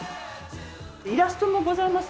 イラストもございますね。